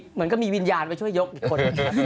เหมือนกับมีวิญญาณไปช่วยยกอีกคนนึง